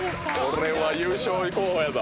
これは優勝候補やぞ！